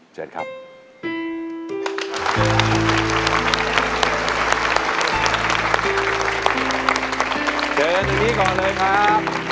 เชิญอันนี้ก่อนเลยครับ